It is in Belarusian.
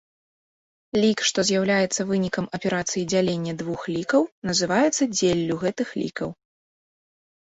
Лік, што з'яўляецца вынікам аперацыі дзялення двух лікаў, называецца дзеллю гэтых лікаў.